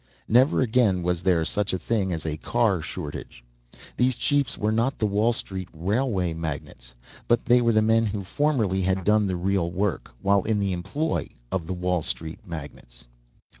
Never again was there such a thing as a car shortage. These chiefs were not the Wall Street railway magnates, but they were the men who formerly had done the real work while in the employ of the Wall Street magnates.